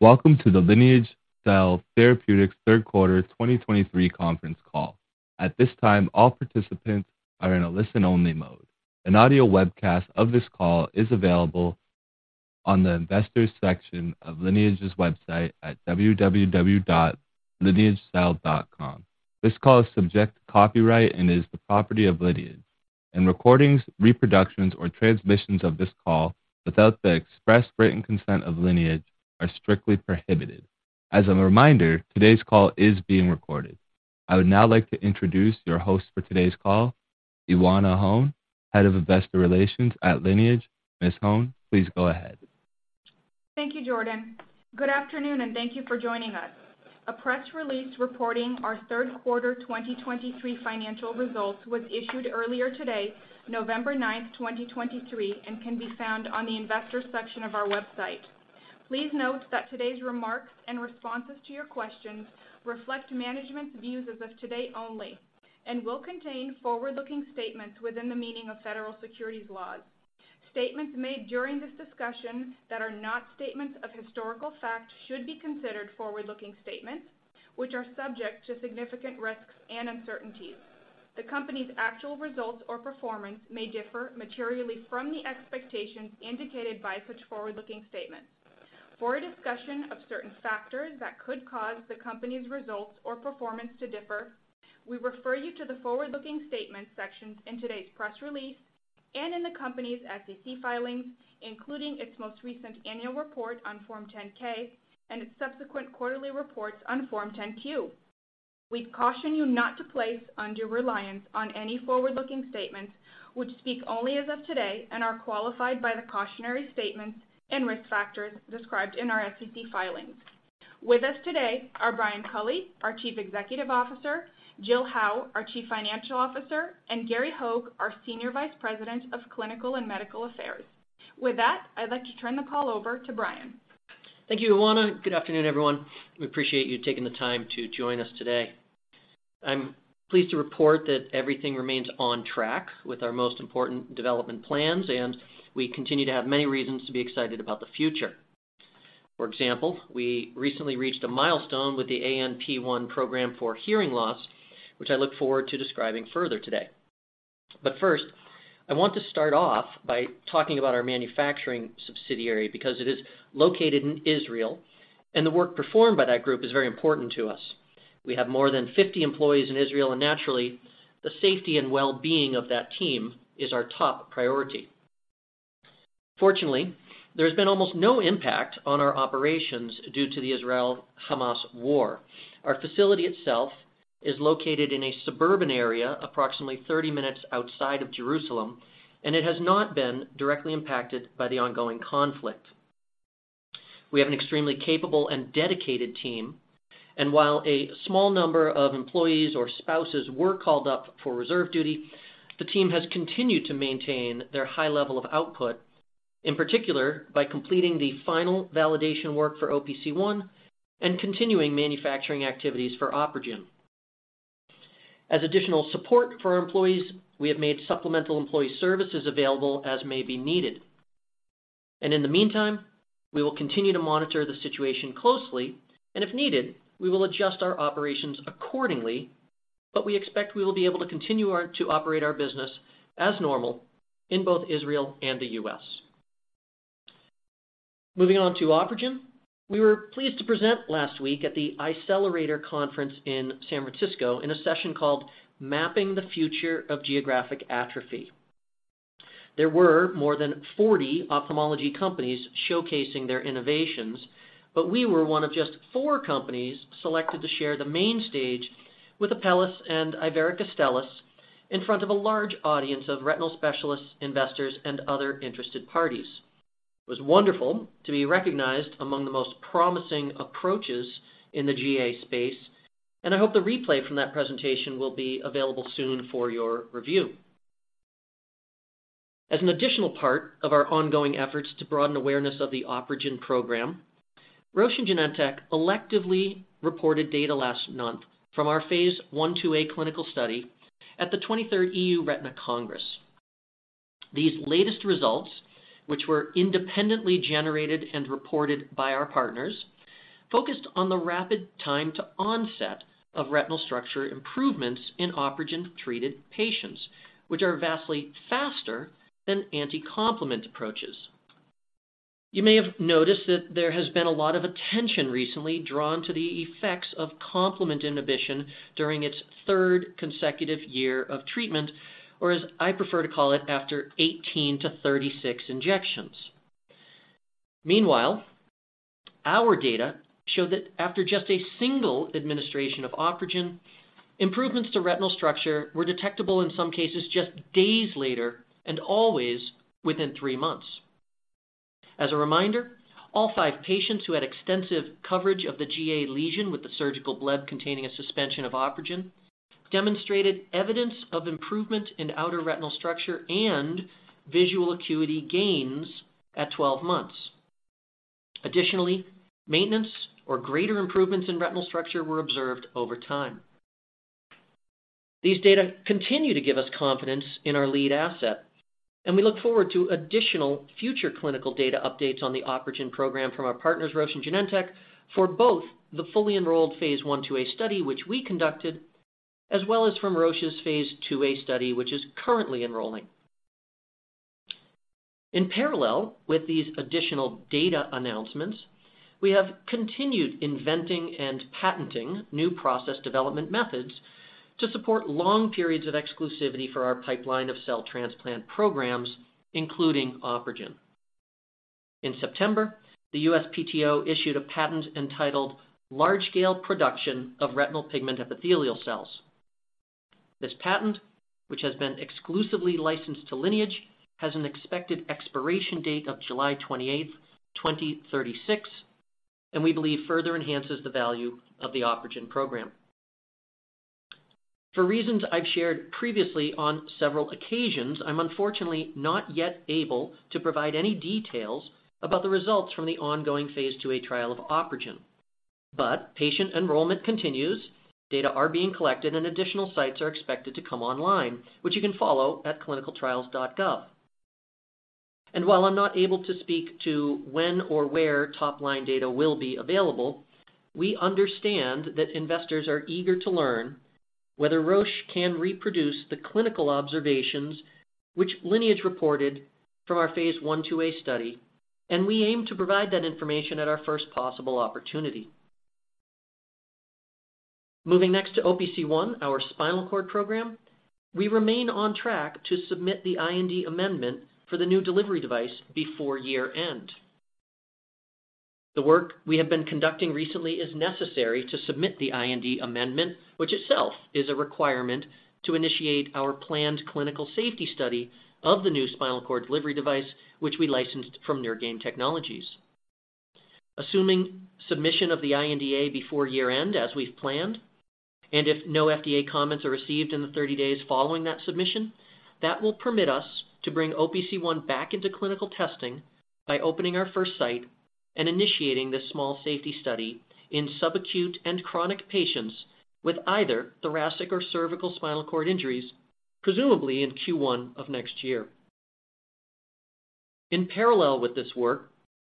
Welcome to the Lineage Cell Therapeutics Third Quarter 2023 conference call. At this time, all participants are in a listen-only mode. An audio webcast of this call is available on the investors section of Lineage's website at www.lineagecell.com. This call is subject to copyright and is the property of Lineage, and recordings, reproductions, or transmissions of this call without the express written consent of Lineage are strictly prohibited. As a reminder, today's call is being recorded. I would now like to introduce your host for today's call, Ioana Hone, Head of Investor Relations at Lineage. Ms. Hone, please go ahead. Thank you, Jordan. Good afternoon, and thank you for joining us. A press release reporting our third quarter 2023 financial results was issued earlier today, November 9, 2023, and can be found on the investor section of our website. Please note that today's remarks and responses to your questions reflect management's views as of today only and will contain forward-looking statements within the meaning of federal securities laws. Statements made during this discussion that are not statements of historical fact should be considered forward-looking statements, which are subject to significant risks and uncertainties. The Company's actual results or performance may differ materially from the expectations indicated by such forward-looking statements. For a discussion of certain factors that could cause the Company's results or performance to differ, we refer you to the forward-looking statements sections in today's press release and in the Company's SEC filings, including its most recent annual report on Form 10-K and its subsequent quarterly reports on Form 10-Q. We caution you not to place undue reliance on any forward-looking statements, which speak only as of today and are qualified by the cautionary statements and risk factors described in our SEC filings. With us today are Brian Culley, our Chief Executive Officer, Jill Howe, our Chief Financial Officer, and Gary Hogge, our Senior Vice President of Clinical and Medical Affairs. With that, I'd like to turn the call over to Brian. Thank you, Ioana. Good afternoon, everyone. We appreciate you taking the time to join us today. I'm pleased to report that everything remains on track with our most important development plans, and we continue to have many reasons to be excited about the future. For example, we recently reached a milestone with the ANP1 program for hearing loss, which I look forward to describing further today. But first, I want to start off by talking about our manufacturing subsidiary because it is located in Israel, and the work performed by that group is very important to us. We have more than 50 employees in Israel, and naturally, the safety and well-being of that team is our top priority. Fortunately, there has been almost no impact on our operations due to the Israel-Hamas war. Our facility itself is located in a suburban area, approximately 30 minutes outside of Jerusalem, and it has not been directly impacted by the ongoing conflict. We have an extremely capable and dedicated team, and while a small number of employees or spouses were called up for reserve duty, the team has continued to maintain their high level of output, in particular by completing the final validation work for OPC1 and continuing manufacturing activities for OpRegen. As additional support for our employees, we have made supplemental employee services available as may be needed. In the meantime, we will continue to monitor the situation closely, and if needed, we will adjust our operations accordingly. We expect we will be able to continue to operate our business as normal in both Israel and the U.S. Moving on to OpRegen. We were pleased to present last week at the Eyecelerator Conference in San Francisco in a session called Mapping the Future of Geographic Atrophy. There were more than 40 ophthalmology companies showcasing their innovations, but we were one of just 4 companies selected to share the main stage with Apellis and Iveric Bio in front of a large audience of retinal specialists, investors, and other interested parties. It was wonderful to be recognized among the most promising approaches in the GA space, and I hope the replay from that presentation will be available soon for your review. As an additional part of our ongoing efforts to broaden awareness of the OpRegen program, Roche Genentech electively reported data last month from our Phase 1/2a clinical study at the twenty-third EURETINA Congress. These latest results, which were independently generated and reported by our partners, focused on the rapid time to onset of retinal structure improvements in OpRegen-treated patients, which are vastly faster than anti-complement approaches. You may have noticed that there has been a lot of attention recently drawn to the effects of complement inhibition during its third consecutive year of treatment, or as I prefer to call it, after 18-36 injections. Meanwhile, our data show that after just a single administration of OpRegen, improvements to retinal structure were detectable in some cases just days later and always within 3 months. As a reminder, all 5 patients who had extensive coverage of the GA lesion with the surgical bleb containing a suspension of OpRegen, demonstrated evidence of improvement in outer retinal structure and visual acuity gains at 12 months. Additionally, maintenance or greater improvements in retinal structure were observed over time... These data continue to give us confidence in our lead asset, and we look forward to additional future clinical data updates on the OpRegen program from our partners, Roche and Genentech, for both the fully enrolled phase I/IIa study, which we conducted, as well as from Roche's phase IIa study, which is currently enrolling. In parallel with these additional data announcements, we have continued inventing and patenting new process development methods to support long periods of exclusivity for our pipeline of cell transplant programs, including OpRegen. In September, the USPTO issued a patent entitled Large Scale Production of Retinal Pigment Epithelial Cells. This patent, which has been exclusively licensed to Lineage, has an expected expiration date of July 28, 2036, and we believe further enhances the value of the OpRegen program. For reasons I've shared previously on several occasions, I'm unfortunately not yet able to provide any details about the results from the ongoing phase IIa trial of OpRegen. Patient enrollment continues, data are being collected, and additional sites are expected to come online, which you can follow at clinicaltrials.gov. While I'm not able to speak to when or where top-line data will be available, we understand that investors are eager to learn whether Roche can reproduce the clinical observations which Lineage reported from our phase I/IIa study, and we aim to provide that information at our first possible opportunity. Moving next to OPC1, our spinal cord program, we remain on track to submit the IND amendment for the new delivery device before year-end. The work we have been conducting recently is necessary to submit the IND amendment, which itself is a requirement to initiate our planned clinical safety study of the new spinal cord delivery device, which we licensed from Neurgain Technologies. Assuming submission of the IND amendment before year-end, as we've planned, and if no FDA comments are received in the 30 days following that submission, that will permit us to bring OPC1 back into clinical testing by opening our first site and initiating this small safety study in sub-acute and chronic patients with either thoracic or cervical spinal cord injuries, presumably in Q1 of next year. In parallel with this work,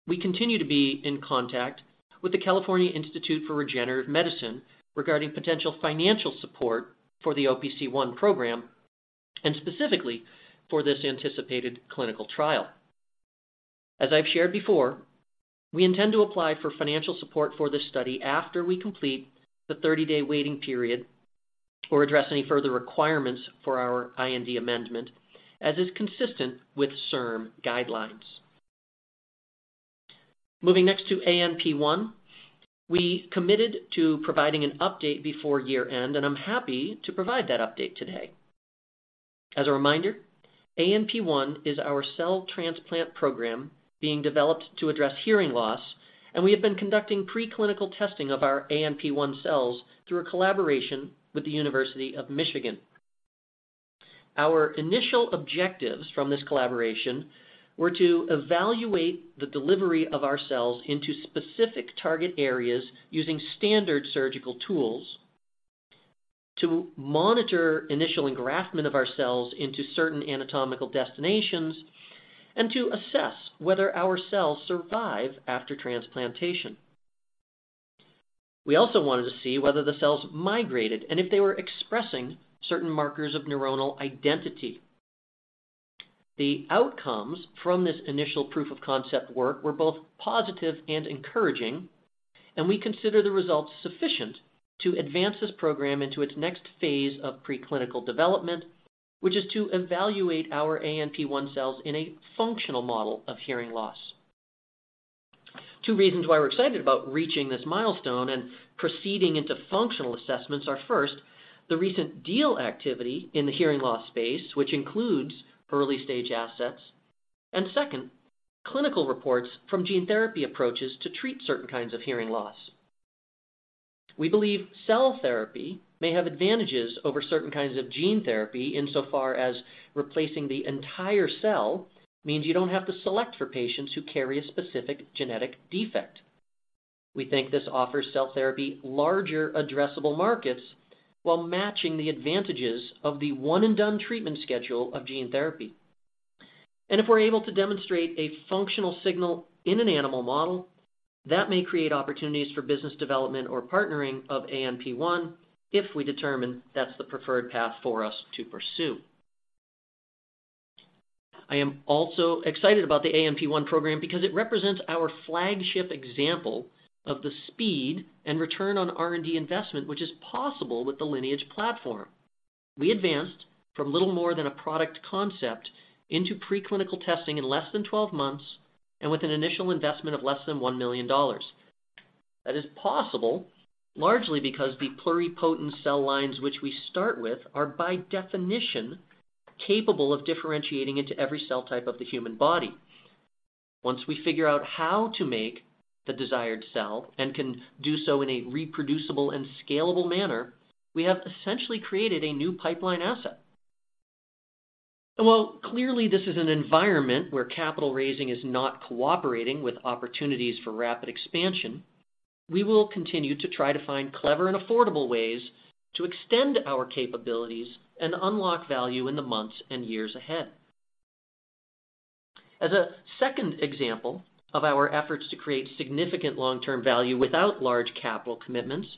we continue to be in contact with the California Institute for Regenerative Medicine regarding potential financial support for the OPC1 program and specifically for this anticipated clinical trial. As I've shared before, we intend to apply for financial support for this study after we complete the 30-day waiting period or address any further requirements for our IND amendment, as is consistent with CIRM guidelines. Moving next to ANP1, we committed to providing an update before year-end, and I'm happy to provide that update today. As a reminder, ANP1 is our cell transplant program being developed to address hearing loss, and we have been conducting preclinical testing of our ANP1 cells through a collaboration with the University of Michigan. Our initial objectives from this collaboration were to evaluate the delivery of our cells into specific target areas using standard surgical tools, to monitor initial engraftment of our cells into certain anatomical destinations, and to assess whether our cells survive after transplantation. We also wanted to see whether the cells migrated and if they were expressing certain markers of neuronal identity. The outcomes from this initial proof of concept work were both positive and encouraging, and we consider the results sufficient to advance this program into its next phase of preclinical development, which is to evaluate our ANP1 cells in a functional model of hearing loss. Two reasons why we're excited about reaching this milestone and proceeding into functional assessments are, first, the recent deal activity in the hearing loss space, which includes early-stage assets, and second, clinical reports from gene therapy approaches to treat certain kinds of hearing loss. We believe cell therapy may have advantages over certain kinds of gene therapy insofar as replacing the entire cell means you don't have to select for patients who carry a specific genetic defect. We think this offers cell therapy larger addressable markets while matching the advantages of the one-and-done treatment schedule of gene therapy. And if we're able to demonstrate a functional signal in an animal model, that may create opportunities for business development or partnering of ANP1, if we determine that's the preferred path for us to pursue. I am also excited about the ANP1 program because it represents our flagship example of the speed and return on R&D investment, which is possible with the Lineage platform. We advanced from little more than a product concept into preclinical testing in less than 12 months and with an initial investment of less than $1 million. That is possible largely because the pluripotent cell lines which we start with are, by definition, capable of differentiating into every cell type of the human body. Once we figure out how to make the desired cell and can do so in a reproducible and scalable manner, we have essentially created a new pipeline asset. Well, clearly, this is an environment where capital raising is not cooperating with opportunities for rapid expansion. We will continue to try to find clever and affordable ways to extend our capabilities and unlock value in the months and years ahead. As a second example of our efforts to create significant long-term value without large capital commitments,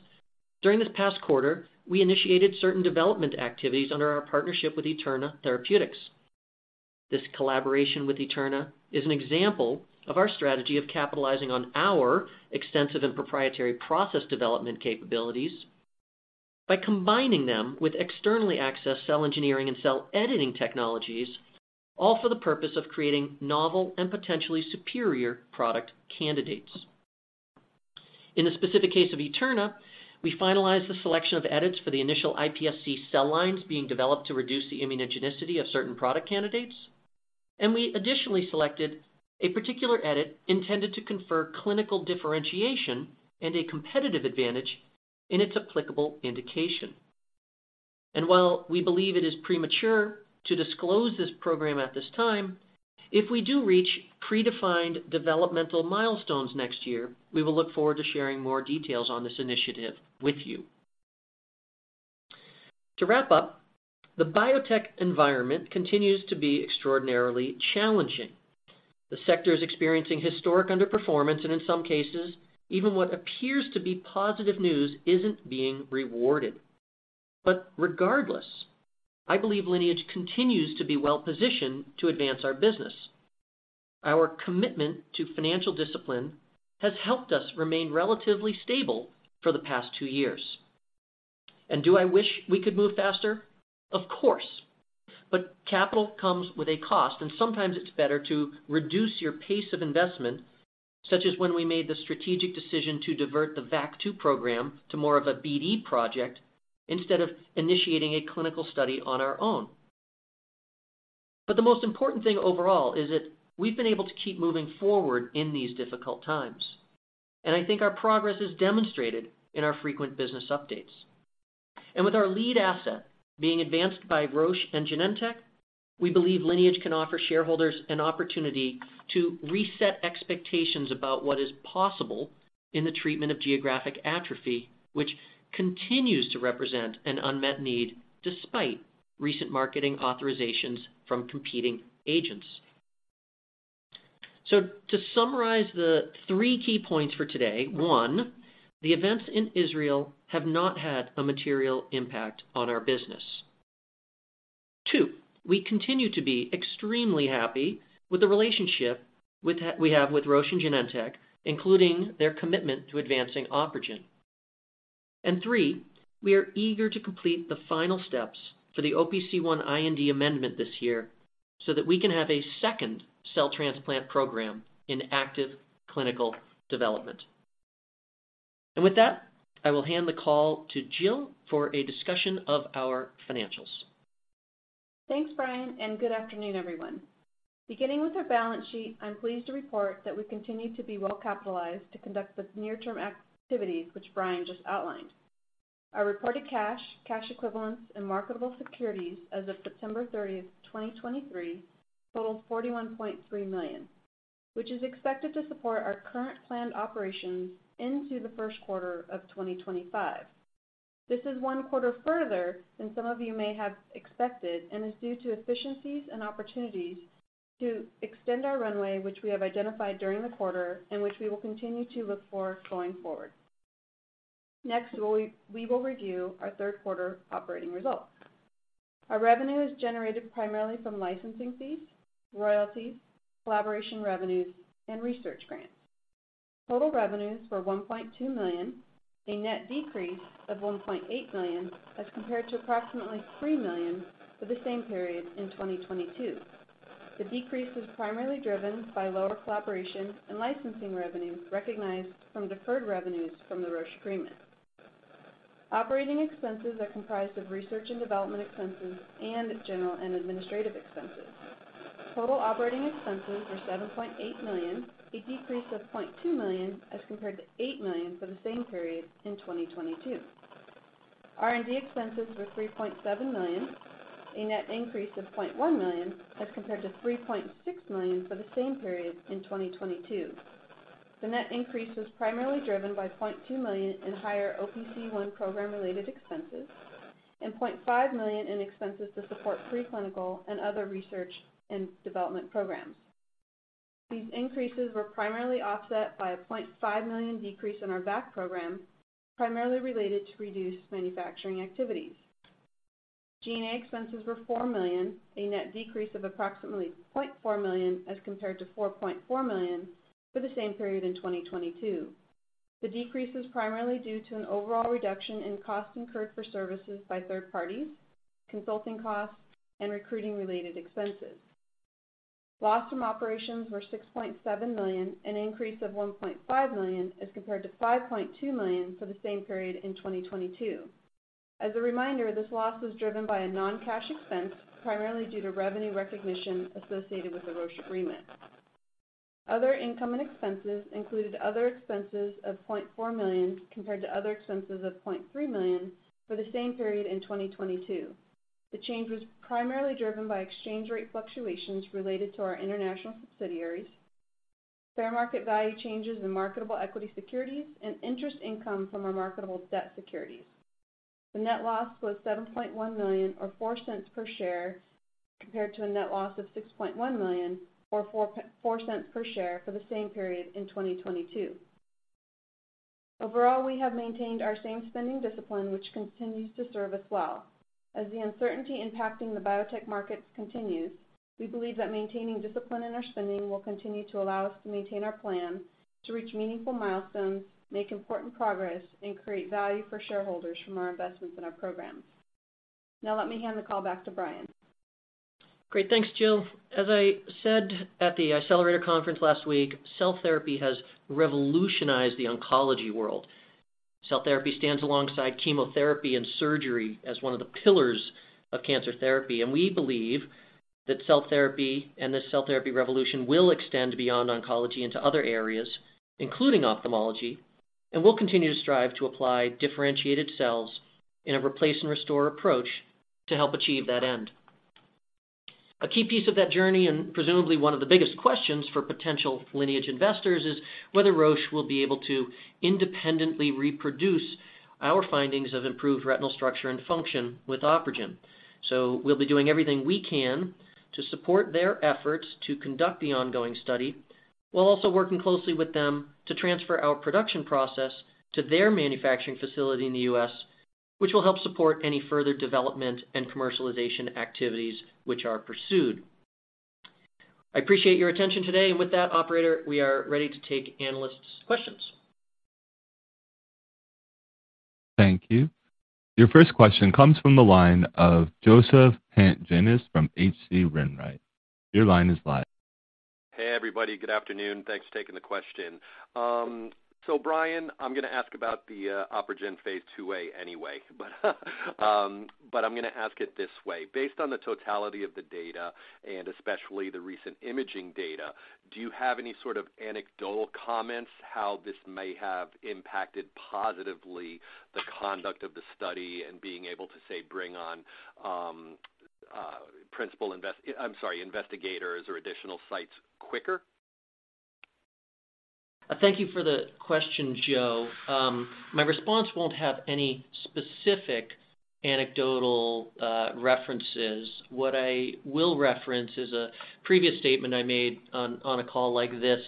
during this past quarter, we initiated certain development activities under our partnership with Eterna Therapeutics. This collaboration with Eterna is an example of our strategy of capitalizing on our extensive and proprietary process development capabilities by combining them with externally accessed cell engineering and cell editing technologies, all for the purpose of creating novel and potentially superior product candidates. In the specific case of Eterna, we finalized the selection of edits for the initial iPSC cell lines being developed to reduce the immunogenicity of certain product candidates, and we additionally selected a particular edit intended to confer clinical differentiation and a competitive advantage in its applicable indication. And while we believe it is premature to disclose this program at this time, if we do reach predefined developmental milestones next year, we will look forward to sharing more details on this initiative with you. To wrap up, the biotech environment continues to be extraordinarily challenging. The sector is experiencing historic underperformance, and in some cases, even what appears to be positive news isn't being rewarded. Regardless, I believe Lineage continues to be well-positioned to advance our business. Our commitment to financial discipline has helped us remain relatively stable for the past two years. Do I wish we could move faster? Of course, but capital comes with a cost, and sometimes it's better to reduce your pace of investment, such as when we made the strategic decision to divert the VAC2 program to more of a BD project instead of initiating a clinical study on our own. But the most important thing overall is that we've been able to keep moving forward in these difficult times, and I think our progress is demonstrated in our frequent business updates. With our lead asset being advanced by Roche and Genentech, we believe Lineage can offer shareholders an opportunity to reset expectations about what is possible in the treatment of Geographic Atrophy, which continues to represent an unmet need despite recent marketing authorizations from competing agents. So to summarize the three key points for today: one, the events in Israel have not had a material impact on our business. Two, we continue to be extremely happy with the relationship we have with Roche and Genentech, including their commitment to advancing OpRegen. And three, we are eager to complete the final steps for the OPC1 IND amendment this year, so that we can have a second cell transplant program in active clinical development. And with that, I will hand the call to Jill for a discussion of our financials. Thanks, Brian, and good afternoon, everyone. Beginning with our balance sheet, I'm pleased to report that we continue to be well capitalized to conduct the near-term activities which Brian just outlined. Our reported cash, cash equivalents, and marketable securities as of September 30, 2023, total $41.3 million, which is expected to support our current planned operations into the first quarter of 2025. This is one quarter further than some of you may have expected and is due to efficiencies and opportunities to extend our runway, which we have identified during the quarter, and which we will continue to look for going forward. Next, we will review our third quarter operating results. Our revenue is generated primarily from licensing fees, royalties, collaboration revenues, and research grants. Total revenues were $1.2 million, a net decrease of $1.8 million, as compared to approximately $3 million for the same period in 2022. The decrease was primarily driven by lower collaboration and licensing revenues recognized from deferred revenues from the Roche Agreement. Operating expenses are comprised of research and development expenses and general and administrative expenses. Total operating expenses were $7.8 million, a decrease of $0.2 million, as compared to $8 million for the same period in 2022. R&D expenses were $3.7 million, a net increase of $0.1 million, as compared to $3.6 million for the same period in 2022. The net increase was primarily driven by $0.2 million in higher OPC1 program-related expenses and $0.5 million in expenses to support preclinical and other research and development programs. These increases were primarily offset by a $0.5 million decrease in our VAC program, primarily related to reduced manufacturing activities. G&A expenses were $4 million, a net decrease of approximately $0.4 million, as compared to $4.4 million for the same period in 2022. The decrease is primarily due to an overall reduction in costs incurred for services by third parties, consulting costs, and recruiting-related expenses. Loss from operations were $6.7 million, an increase of $1.5 million, as compared to $5.2 million for the same period in 2022. As a reminder, this loss was driven by a non-cash expense, primarily due to revenue recognition associated with the Roche Agreement....Other income and expenses included other expenses of $0.4 million compared to other expenses of $0.3 million for the same period in 2022. The change was primarily driven by exchange rate fluctuations related to our international subsidiaries, fair market value changes in marketable equity securities, and interest income from our marketable debt securities. The net loss was $7.1 million, or $0.04 per share, compared to a net loss of $6.1 million, or $0.44 per share for the same period in 2022. Overall, we have maintained our same spending discipline, which continues to serve us well. As the uncertainty impacting the biotech markets continues, we believe that maintaining discipline in our spending will continue to allow us to maintain our plan to reach meaningful milestones, make important progress, and create value for shareholders from our investments in our programs. Now let me hand the call back to Brian. Great. Thanks, Jill. As I said at the EyeCelerator Conference last week, cell therapy has revolutionized the oncology world. Cell therapy stands alongside chemotherapy and surgery as one of the pillars of cancer therapy, and we believe that cell therapy and this cell therapy revolution will extend beyond oncology into other areas, including ophthalmology, and we'll continue to strive to apply differentiated cells in a replace and restore approach to help achieve that end. A key piece of that journey, and presumably one of the biggest questions for potential Lineage investors, is whether Roche will be able to independently reproduce our findings of improved retinal structure and function with OpRegen. So we'll be doing everything we can to support their efforts to conduct the ongoing study, while also working closely with them to transfer our production process to their manufacturing facility in the U.S., which will help support any further development and commercialization activities which are pursued. I appreciate your attention today. With that, operator, we are ready to take analysts' questions. Thank you. Your first question comes from the line of Joseph Pantginis from H.C. Wainwright. Your line is live. Hey, everybody. Good afternoon. Thanks for taking the question. So Brian, I'm gonna ask about the OpRegen phase 2a anyway, but, but I'm gonna ask it this way. Based on the totality of the data, and especially the recent imaging data, do you have any sort of anecdotal comments how this may have impacted positively the conduct of the study and being able to, say, bring on principal invest- I'm sorry, investigators or additional sites quicker? Thank you for the question, Joe. My response won't have any specific anecdotal references. What I will reference is a previous statement I made on a call like this,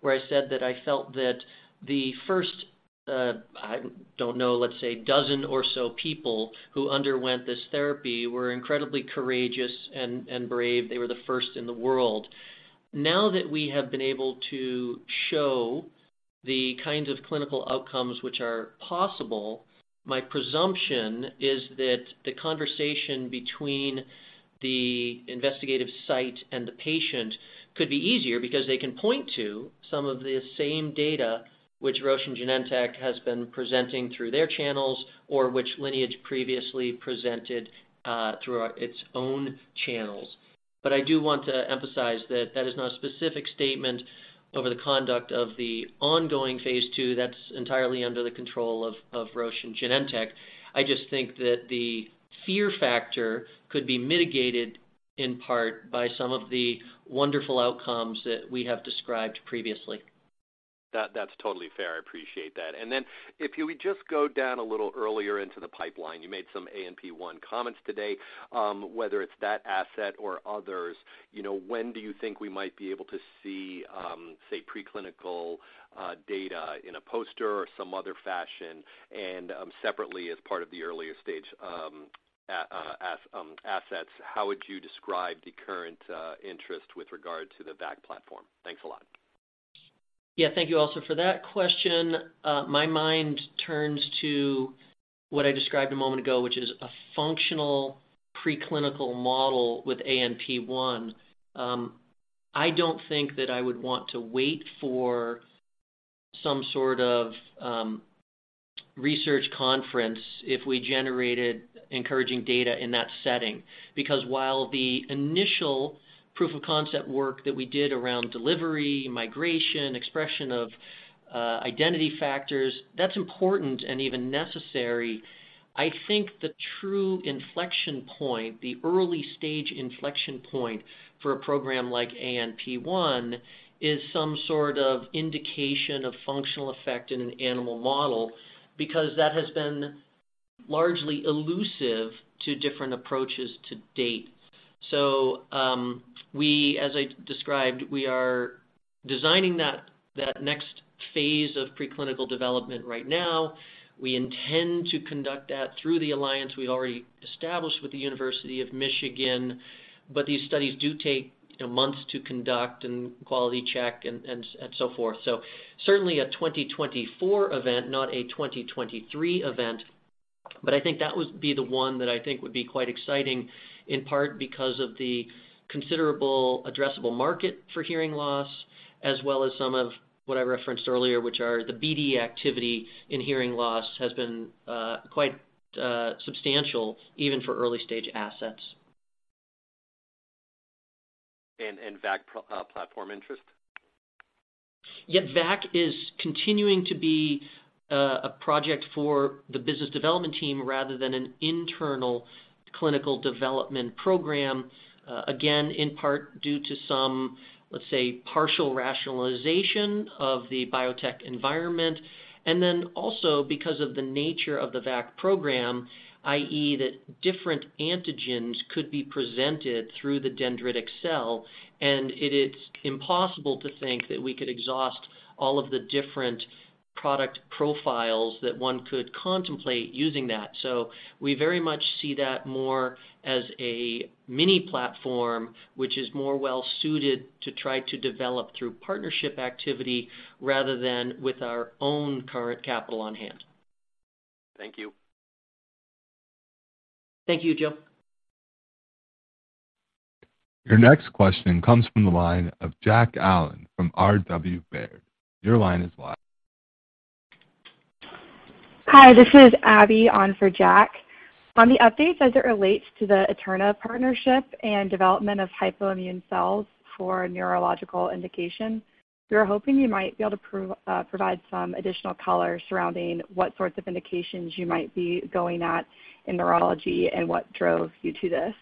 where I said that I felt that the first, I don't know, let's say, dozen or so people who underwent this therapy were incredibly courageous and brave. They were the first in the world. Now that we have been able to show the kinds of clinical outcomes which are possible, my presumption is that the conversation between the investigative site and the patient could be easier because they can point to some of the same data which Roche and Genentech has been presenting through their channels, or which Lineage previously presented through its own channels. But I do want to emphasize that that is not a specific statement over the conduct of the ongoing phase 2 that's entirely under the control of Roche and Genentech. I just think that the fear factor could be mitigated, in part, by some of the wonderful outcomes that we have described previously. That, that's totally fair. I appreciate that. And then if you would just go down a little earlier into the pipeline, you made some ANP1 comments today. Whether it's that asset or others, you know, when do you think we might be able to see, say, preclinical data in a poster or some other fashion? And, separately, as part of the earlier stage, as assets, how would you describe the current interest with regard to the VAC platform? Thanks a lot. Yeah. Thank you also for that question. My mind turns to what I described a moment ago, which is a functional preclinical model with ANP1. I don't think that I would want to wait for some sort of research conference if we generated encouraging data in that setting, because while the initial proof of concept work that we did around delivery, migration, expression of identity factors, that's important and even necessary. I think the true inflection point, the early-stage inflection point for a program like ANP1, is some sort of indication of functional effect in an animal model, because that has been largely elusive to different approaches to date. So, as I described, we are designing that next phase of preclinical development right now. We intend to conduct that through the alliance we've already established with the University of Michigan, but these studies do take, you know, months to conduct and quality check and so forth. So certainly a 2024 event, not a 2023 event, but I think that would be the one that I think would be quite exciting, in part because of the considerable addressable market for hearing loss, as well as some of what I referenced earlier, which are the BD activity in hearing loss, has been quite substantial even for early-stage assets. ...And VAC platform interest? Yeah, VAC is continuing to be a project for the business development team rather than an internal clinical development program. Again, in part due to some, let's say, partial rationalization of the biotech environment, and then also because of the nature of the VAC program, i.e., that different antigens could be presented through the dendritic cell, and it is impossible to think that we could exhaust all of the different product profiles that one could contemplate using that. So we very much see that more as a mini platform, which is more well-suited to try to develop through partnership activity rather than with our own current capital on hand. Thank you. Thank you, Joe. Your next question comes from the line of Jack Allen from R.W. Baird. Your line is live. Hi, this is Abby on for Jack. On the updates as it relates to the Eterna partnership and development of hypoimmune cells for neurological indications, we were hoping you might be able to provide some additional color surrounding what sorts of indications you might be going at in neurology and what drove you to this.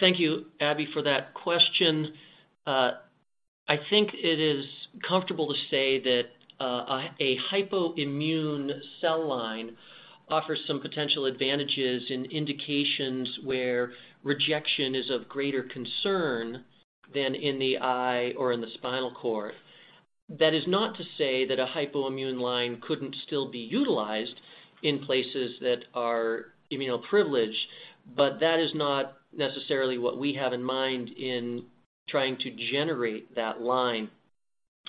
Thank you, Abby, for that question. I think it is comfortable to say that a hypoimmune cell line offers some potential advantages in indications where rejection is of greater concern than in the eye or in the spinal cord. That is not to say that a hypoimmune line couldn't still be utilized in places that are immunoprivileged, but that is not necessarily what we have in mind in trying to generate that line.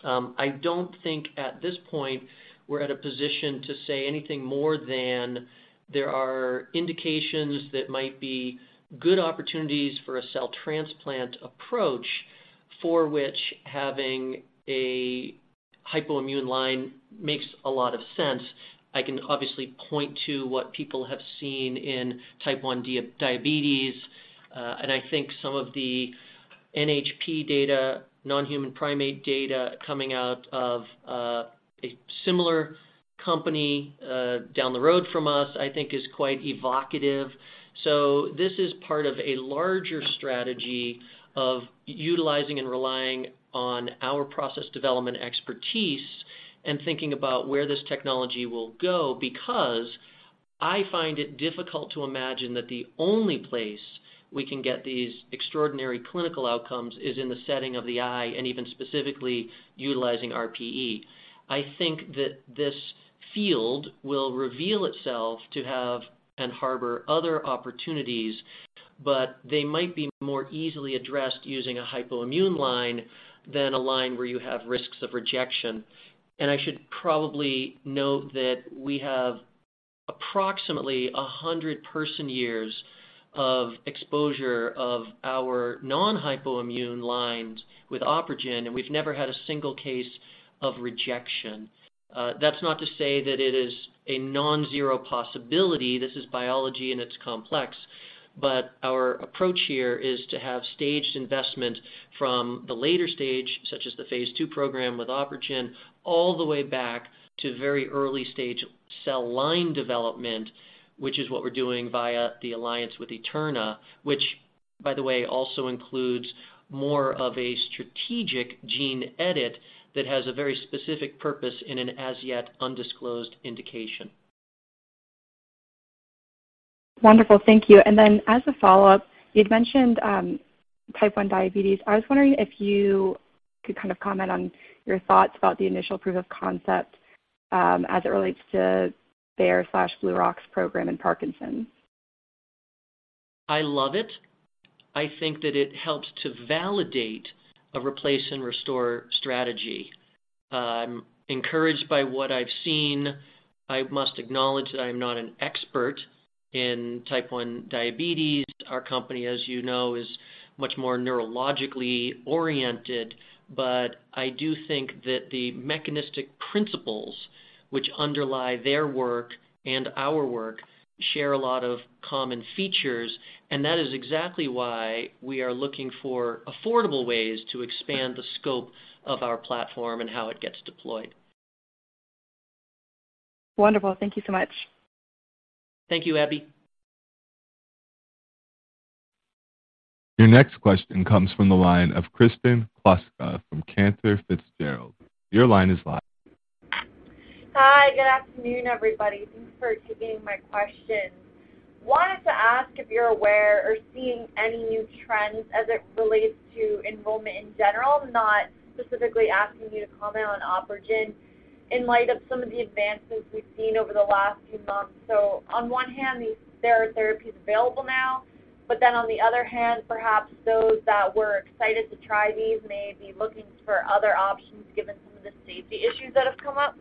I don't think at this point we're at a position to say anything more than there are indications that might be good opportunities for a cell transplant approach, for which having a hypoimmune line makes a lot of sense. I can obviously point to what people have seen in type one diabetes, and I think some of the NHP data, Non-Human Primate data, coming out of a similar company down the road from us, I think is quite evocative. So this is part of a larger strategy of utilizing and relying on our process development expertise and thinking about where this technology will go, because I find it difficult to imagine that the only place we can get these extraordinary clinical outcomes is in the setting of the eye and even specifically utilizing RPE. I think that this field will reveal itself to have and harbor other opportunities, but they might be more easily addressed using a hypoimmune line than a line where you have risks of rejection. I should probably note that we have approximately 100 person years of exposure of our non-hypoimmune lines with OpRegen, and we've never had a single case of rejection. That's not to say that it is a nonzero possibility. This is biology, and it's complex. But our approach here is to have staged investment from the later stage, such as the phase 2 program with OpRegen, all the way back to very early-stage cell line development, which is what we're doing via the alliance with Eterna, which, by the way, also includes more of a strategic gene edit that has a very specific purpose in an as-yet undisclosed indication. Wonderful. Thank you. And then, as a follow-up, you'd mentioned type 1 diabetes. I was wondering if you could kind of comment on your thoughts about the initial proof of concept, as it relates to their BlueRock's program in Parkinson's. I love it. I think that it helps to validate a replace and restore strategy. I'm encouraged by what I've seen. I must acknowledge that I'm not an expert in type one diabetes. Our company, as you know, is much more neurologically oriented. But I do think that the mechanistic principles which underlie their work and our work share a lot of common features, and that is exactly why we are looking for affordable ways to expand the scope of our platform and how it gets deployed. Wonderful. Thank you so much. Thank you, Abby. Your next question comes from the line of Kristen Kluska from Cantor Fitzgerald. Your line is live. Hi, good afternoon, everybody. Thanks for taking my questions. Wanted to ask if you're aware or seeing any new trends as it relates to enrollment in general, not specifically asking you to comment on OpRegen in light of some of the advances we've seen over the last few months. So on one hand, these... there are therapies available now, but then on the other hand, perhaps those that were excited to try these may be looking for other options, given some of the safety issues that have come up.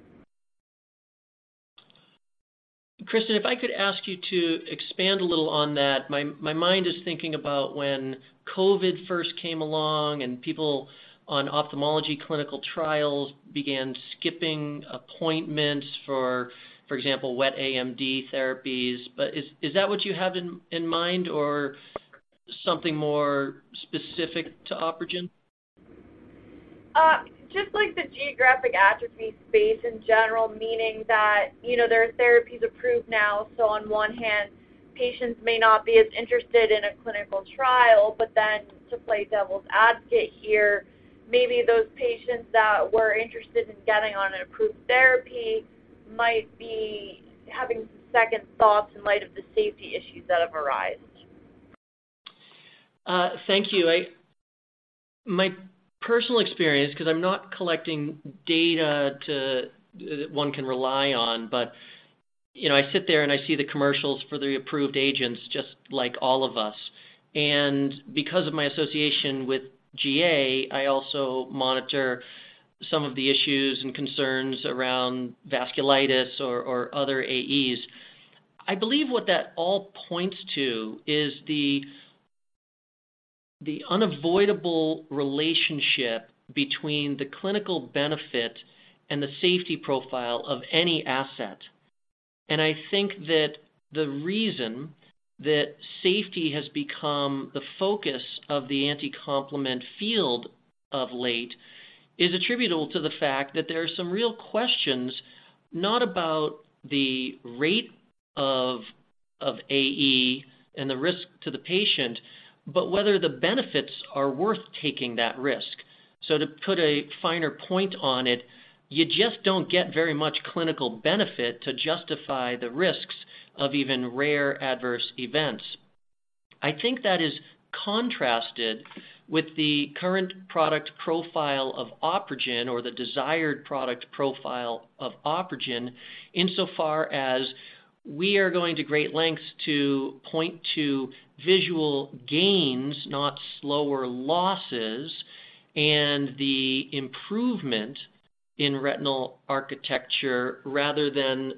Kristen, if I could ask you to expand a little on that. My mind is thinking about when COVID first came along and people on ophthalmology clinical trials began skipping appointments for example, wet AMD therapies. But is that what you have in mind or something more specific to OpRegen?... just like the geographic atrophy space in general, meaning that, you know, there are therapies approved now. So on one hand, patients may not be as interested in a clinical trial, but then to play devil's advocate here, maybe those patients that were interested in getting on an approved therapy might be having second thoughts in light of the safety issues that have arisen. Thank you. My personal experience, 'cause I'm not collecting data to, that one can rely on, but, you know, I sit there, and I see the commercials for the approved agents, just like all of us. And because of my association with GA, I also monitor some of the issues and concerns around vasculitis or other AEs. I believe what that all points to is the unavoidable relationship between the clinical benefit and the safety profile of any asset. And I think that the reason that safety has become the focus of the anticomplement field of late is attributable to the fact that there are some real questions, not about the rate of AE and the risk to the patient, but whether the benefits are worth taking that risk. So to put a finer point on it, you just don't get very much clinical benefit to justify the risks of even rare adverse events. I think that is contrasted with the current product profile of OpRegen or the desired product profile of OpRegen, insofar as we are going to great lengths to point to visual gains, not slower losses, and the improvement in retinal architecture, rather than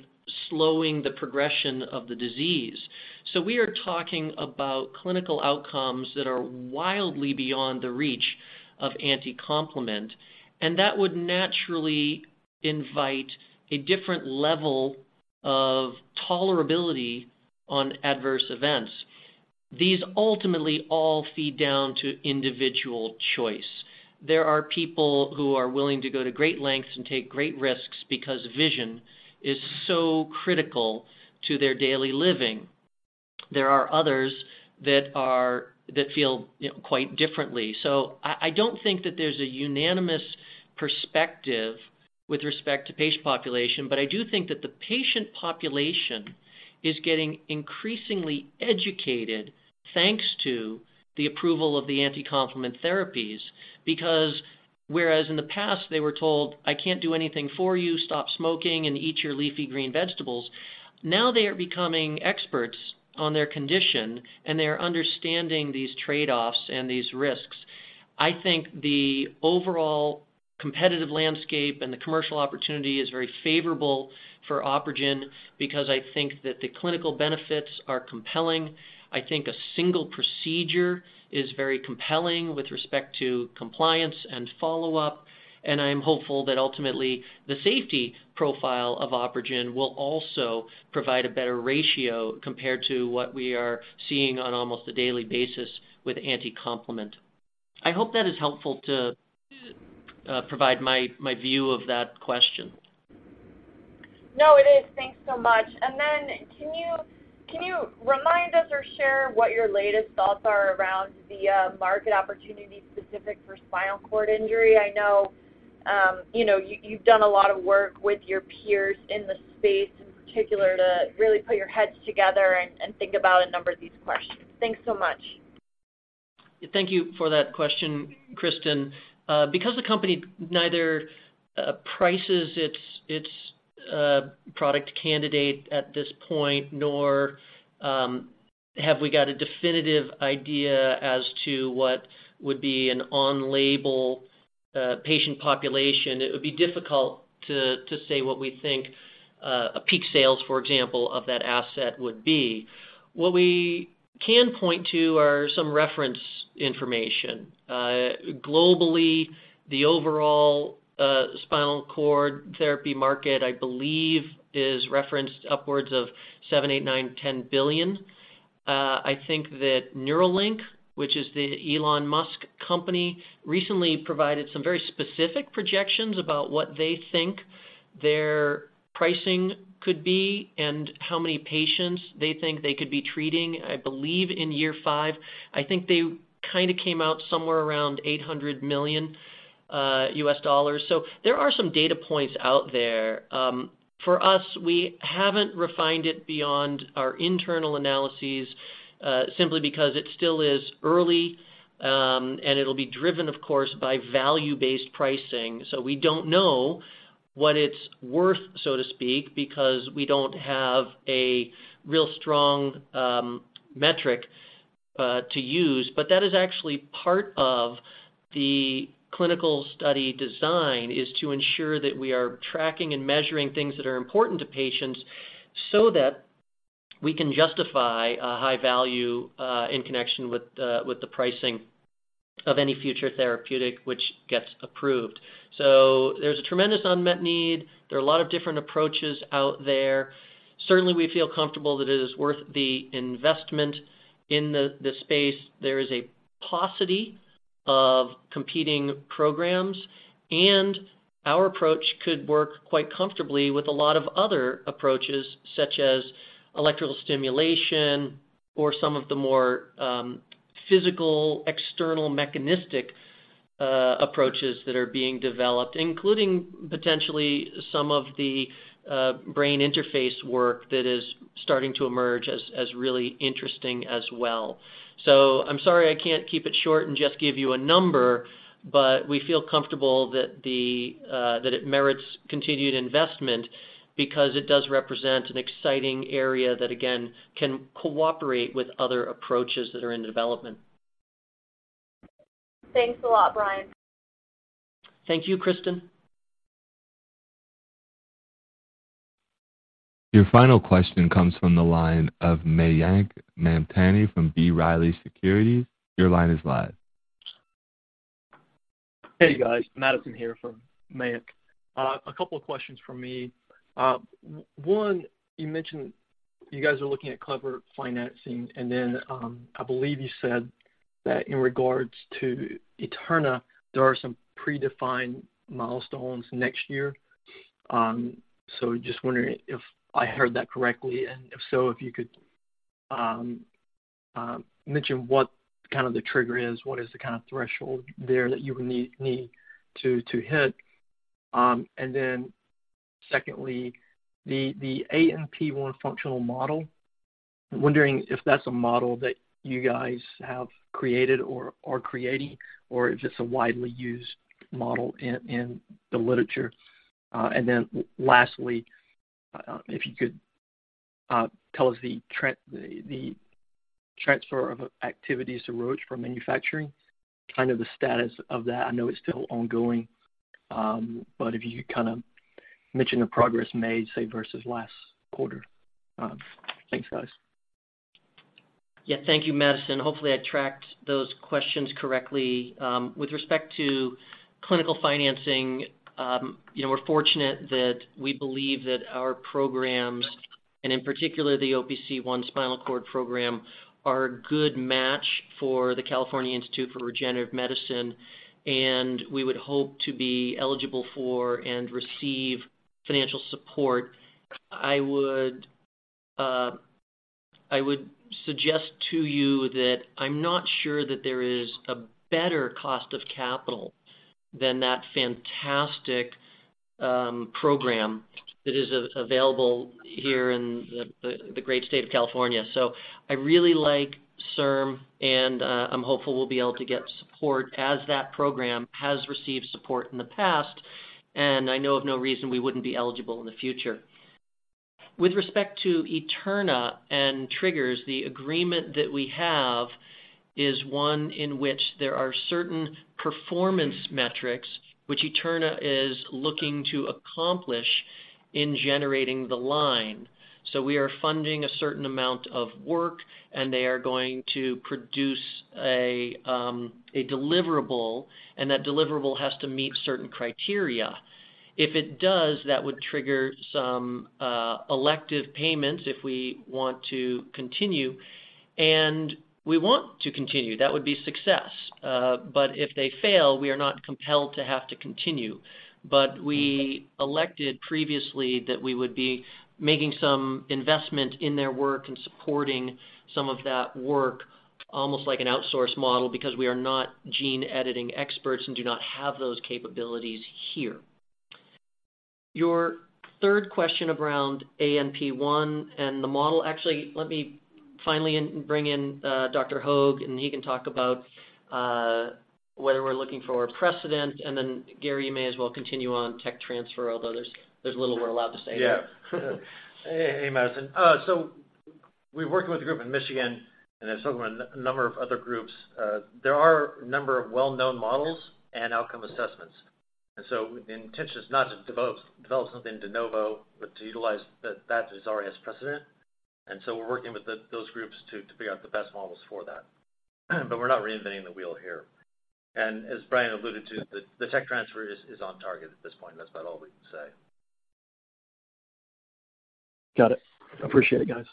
slowing the progression of the disease. So we are talking about clinical outcomes that are wildly beyond the reach of anticomplement, and that would naturally invite a different level of tolerability on adverse events. These ultimately all feed down to individual choice. There are people who are willing to go to great lengths and take great risks because vision is so critical to their daily living. There are others that feel, you know, quite differently. So I don't think that there's a unanimous perspective with respect to patient population, but I do think that the patient population is getting increasingly educated, thanks to the approval of the anticomplement therapies, because whereas in the past they were told, "I can't do anything for you, stop smoking and eat your leafy green vegetables," now they are becoming experts on their condition, and they are understanding these trade-offs and these risks. I think the overall competitive landscape and the commercial opportunity is very favorable for OpRegen because I think that the clinical benefits are compelling. I think a single procedure is very compelling with respect to compliance and follow-up, and I'm hopeful that ultimately, the safety profile of OpRegen will also provide a better ratio compared to what we are seeing on almost a daily basis with anticomplement. I hope that is helpful to provide my view of that question. No, it is. Thanks so much. And then can you, can you remind us or share what your latest thoughts are around the market opportunity specific for spinal cord injury? I know, you know, you, you've done a lot of work with your peers in the space, in particular, to really put your heads together and, and think about a number of these questions. Thanks so much. Thank you for that question, Kristen. Because the company neither prices its, its product candidate at this point, nor have we got a definitive idea as to what would be an on-label patient population, it would be difficult to say what we think a peak sales, for example, of that asset would be. What we can point to are some reference information. Globally, the overall spinal cord therapy market, I believe, is referenced upwards of $7-$10 billion. I think that Neuralink, which is the Elon Musk company, recently provided some very specific projections about what they think their pricing could be and how many patients they think they could be treating, I believe, in year five. I think they kinda came out somewhere around $800 million. So there are some data points out there. For us, we haven't refined it beyond our internal analyses, simply because it still is early, and it'll be driven, of course, by value-based pricing. So we don't know what it's worth, so to speak, because we don't have a real strong, metric, to use. But that is actually part of the clinical study design, is to ensure that we are tracking and measuring things that are important to patients so that we can justify a high value, in connection with the, with the pricing of any future therapeutic which gets approved. So there's a tremendous unmet need. There are a lot of different approaches out there.... Certainly, we feel comfortable that it is worth the investment in the, the space. There is a paucity of competing programs, and our approach could work quite comfortably with a lot of other approaches, such as electrical stimulation or some of the more physical, external, mechanistic approaches that are being developed, including potentially some of the brain interface work that is starting to emerge as really interesting as well. So I'm sorry I can't keep it short and just give you a number, but we feel comfortable that it merits continued investment because it does represent an exciting area that, again, can cooperate with other approaches that are in development. Thanks a lot, Brian. Thank you, Kristen. Your final question comes from the line of Mayank Mamtani from B. Riley Securities. Your line is live. Hey, guys. Madison here from Mayank. A couple of questions from me. One, you mentioned you guys are looking at clever financing, and then, I believe you said that in regards to Eterna, there are some predefined milestones next year. So just wondering if I heard that correctly, and if so, if you could mention what kind of the trigger is, what is the kind of threshold there that you would need to hit? And then secondly, the ANP1 functional model, I'm wondering if that's a model that you guys have created or are creating, or if it's a widely used model in the literature. And then lastly, if you could tell us the transfer of activities to Roche from manufacturing, kind of the status of that. I know it's still ongoing, but if you could kinda mention the progress made, say, versus last quarter. Thanks, guys. Yeah. Thank you, Madison. Hopefully, I tracked those questions correctly. With respect to clinical financing, you know, we're fortunate that we believe that our programs, and in particular, the OPC1 spinal cord program, are a good match for the California Institute for Regenerative Medicine, and we would hope to be eligible for and receive financial support. I would suggest to you that I'm not sure that there is a better cost of capital than that fantastic program that is available here in the great state of California. So I really like CIRM, and I'm hopeful we'll be able to get support as that program has received support in the past, and I know of no reason we wouldn't be eligible in the future. With respect to Eterna and triggers, the agreement that we have is one in which there are certain performance metrics which Eterna is looking to accomplish in generating the line. So we are funding a certain amount of work, and they are going to produce a deliverable, and that deliverable has to meet certain criteria. If it does, that would trigger some elective payments if we want to continue, and we want to continue. That would be success. But if they fail, we are not compelled to have to continue. But we elected previously that we would be making some investment in their work and supporting some of that work, almost like an outsource model, because we are not gene editing experts and do not have those capabilities here. Your third question around ANP1 and the model... Actually, let me finally bring in Dr. Hogge, and he can talk about whether we're looking for a precedent. And then, Gary, you may as well continue on tech transfer, although there's, there's little we're allowed to say. Yeah. Hey, Madison. So we're working with a group in Michigan, and I've spoken with a number of other groups. There are a number of well-known models and outcome assessments, and so the intention is not to develop something de novo, but to utilize that which already has precedent. And so we're working with those groups to figure out the best models for that. But we're not reinventing the wheel here. And as Brian alluded to, the tech transfer is on target at this point. That's about all we can say. Got it. Appreciate it, guys.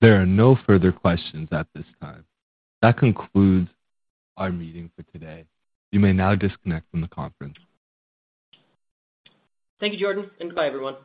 There are no further questions at this time. That concludes our meeting for today. You may now disconnect from the conference. Thank you, Jordan, and goodbye, everyone.